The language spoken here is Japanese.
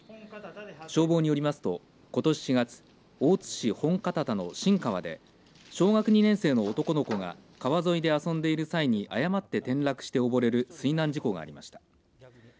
消防によりますとことし４月大津市本堅田の新川で小学２年生の男の子が川沿いで遊んでいる際に誤って転落して溺れる水難事故がありました。